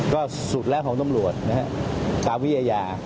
ก็สุดแล้วของตำรวจนะฮะการพิยายา